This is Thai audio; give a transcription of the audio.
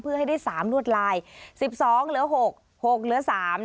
เพื่อให้ได้๓ลวดลาย๑๒เหลือ๖๖เหลือ๓